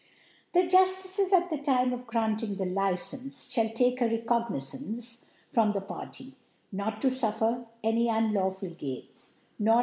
The Juftices, at jhe Time of granting the Licence, fhall take a Recognizance from the Party, not to fufFer any unlawful Games, nor.